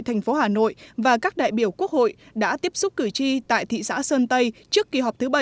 thành phố hà nội và các đại biểu quốc hội đã tiếp xúc cử tri tại thị xã sơn tây trước kỳ họp thứ bảy